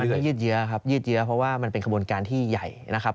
ก็ยืดเยอะครับยืดเยอะเพราะว่ามันเป็นขบวนการที่ใหญ่นะครับ